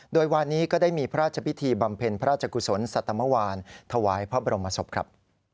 โดยวานนี้ก็ได้มีพระราชพิธีบำเพ็ญพระราชกุศลสัตมวานถวายพระบรมศพครับ